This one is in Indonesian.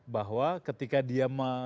bahwa ketika dia